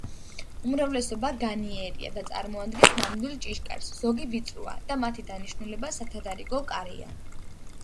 უმრავლესობა განიერია და წარმოადგენს ნამდვილ ჭიშკარს, ზოგი ვიწროა და მათი დანიშნულება სათადარიგო კარია.